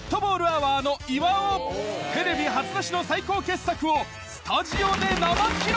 テレビ初出しの最高傑作をスタジオで生披露！